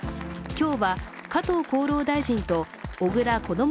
今日は、加藤厚労大臣と小倉こども